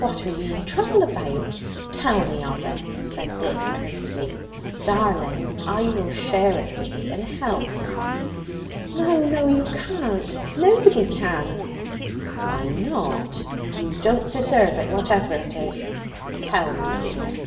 "What are you in trouble about? Tell me of it," said Dick earnestly. "Darling, I will share it with 'ee and help 'ee." "No, no: you can't! Nobody can!" "Why not? You don't deserve it, whatever it is. Tell me, dear."